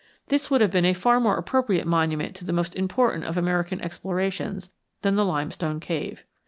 This would have been a far more appropriate monument to the most important of American explorations than the limestone cave.